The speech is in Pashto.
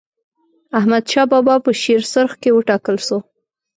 احمدشاه بابا په شیرسرخ کي و ټاکل سو.